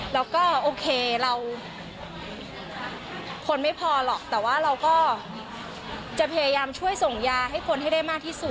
แล้วก็โอเคเราคนไม่พอหรอกแต่ว่าเราก็จะพยายามช่วยส่งยาให้คนให้ได้มากที่สุด